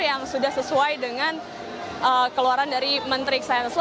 yang sudah sesuai dengan keluaran dari menteri kesehatan indonesia